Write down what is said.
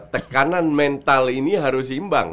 tekanan mental ini harus imbang